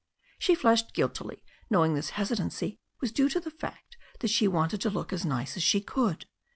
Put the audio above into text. She flushed guiltily, knowing this hesitancy was due to the fact that she wanted to look as nice as she could.